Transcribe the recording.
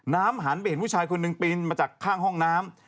หันไปเห็นผู้ชายคนหนึ่งปีนมาจากข้างห้องน้ำ